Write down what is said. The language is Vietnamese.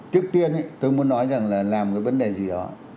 trước tiên tôi muốn nói rằng là làm cái vấn đề gì đó